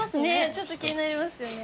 ちょっと気になりますよね。